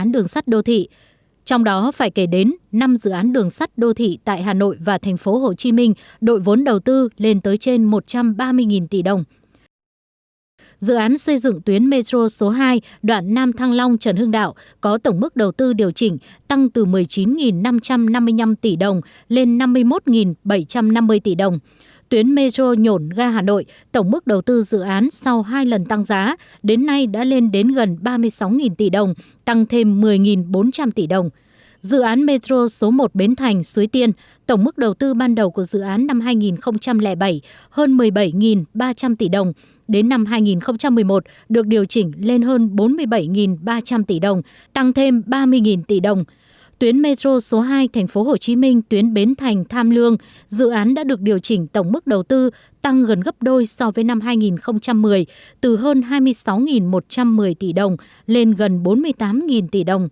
dự án đã được điều chỉnh tổng mức đầu tư tăng gần gấp đôi so với năm hai nghìn một mươi từ hơn hai mươi sáu một trăm một mươi tỷ đồng lên gần bốn mươi tám tỷ đồng